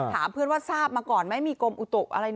ถามเพื่อนว่าทราบมาก่อนไม่มีกมอุตุกอะไรเนี่ย